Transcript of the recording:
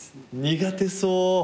苦手そう。